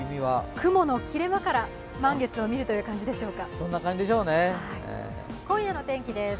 雲の切れ間から満月を見る感じでしょうか。